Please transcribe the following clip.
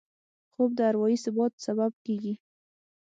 خوب د اروايي ثبات سبب کېږي